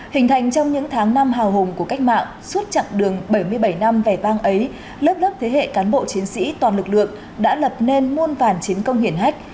hình thành trong những tháng năm hào hùng của cách mạng suốt chặng đường bảy mươi bảy năm vẻ vang ấy lớp lớp thế hệ cán bộ chiến sĩ toàn lực lượng đã lập nên muôn vàn chiến công hiển hách